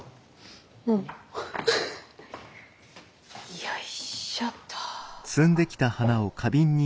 よいしょっと。